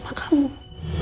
dan orang sel coming